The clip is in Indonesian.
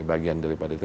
bagian daripada itu